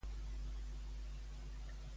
De qui es va enamorar la divinitat?